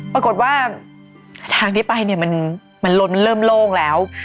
ปรากฏว่าทางที่ไปมันเริ่มโล่งแล้ว